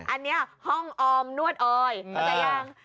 อันนี้ห้องออมนวดออยเข้าใจยัง